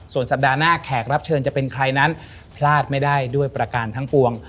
ส่วนสัปดาห์หน้าแขกรับเชิญจะเป็นใครนั้นพลาดไม่ได้ด้วยประการทั้งปวง